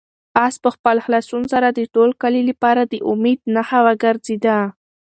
آس په خپل خلاصون سره د ټول کلي لپاره د امید نښه وګرځېده.